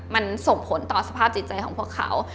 มันส่งผลต่อสภาพจิตใจของพวกเขา